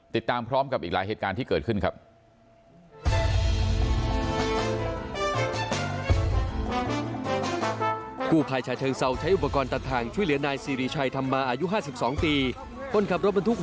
ติดตามพร้อมกับอีกหลายเหตุการณ์ที่เกิดขึ้นครับ